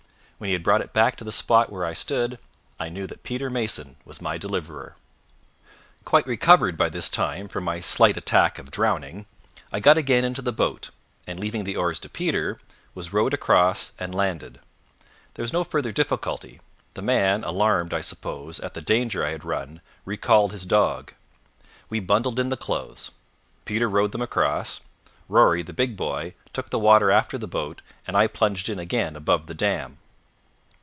When he had brought it back to the spot where I stood, I knew that Peter Mason was my deliverer. Quite recovered by this time from my slight attack of drowning, I got again into the boat, and leaving the oars to Peter, was rowed across and landed. There was no further difficulty. The man, alarmed, I suppose, at the danger I had run, recalled his dog; we bundled in the clothes; Peter rowed them across; Rory, the big boy, took the water after the boat, and I plunged in again above the dam.